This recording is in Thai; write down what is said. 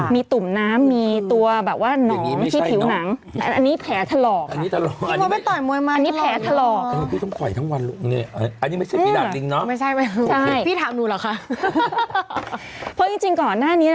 มีตุ่มน้ำมีตัวแบบว่าหนองที่ผิวหนัง